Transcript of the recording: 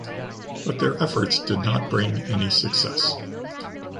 But their efforts did not bring any success.